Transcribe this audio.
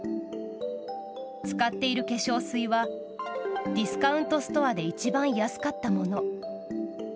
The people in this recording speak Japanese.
使っている化粧水はディスカウントストアで一番安かったもの。